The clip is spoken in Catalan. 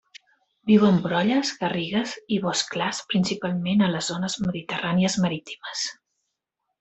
Viu en brolles, garrigues i boscs clars principalment a les zones mediterrànies marítimes.